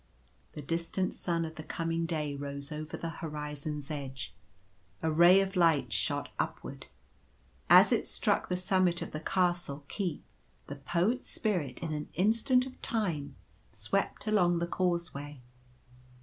The distant sun of the coming day rose over the horizon's edge. A ray of light shot upward. As it struck the summit of the Castle keep the Poet's Spirit in an instant of time swept along the causeway.